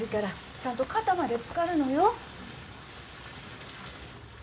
ちゃんと肩まで漬かるのよ。